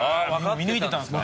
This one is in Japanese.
見抜いてたんですね。